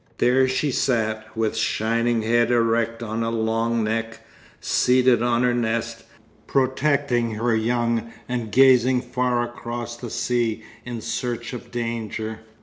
There she sat, with shining head erect on a long neck, seated on her nest, protecting her young, and gazing far across the sea in search of danger.